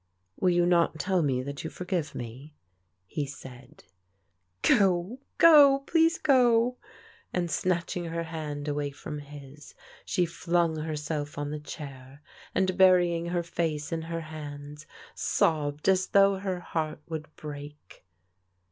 " Will you not tell me that you forgive me? " he said " Go— go ! please go !" and, snatching her hand away from his, she flimg herself on the chair and, burying her face in her hands, sobbed as though her heart would break.